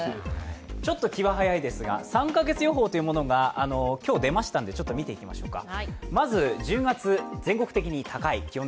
ちょっと気は早いですが３か月予報というのが今日出ましたんで見ていきましょうか。